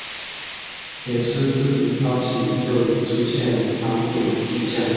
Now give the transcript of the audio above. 铁狮自明朝起就已出现残毁迹象。